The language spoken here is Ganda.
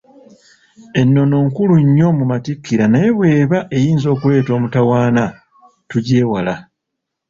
Ennono nkulu nnyo mu Matikkira naye bw'eba eyinza okuleeta omutawaana, tugyewala.